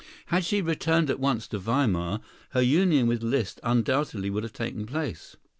Had she returned at once to Weimar, her union with Liszt undoubtedly would have taken place.